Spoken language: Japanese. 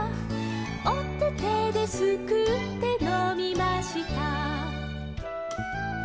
「おててですくってのみました」